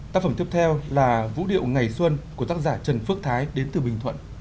tác phẩm tiếp theo là vũ điệu ngày xuân của tác giả trần phước thái đến từ bình thuận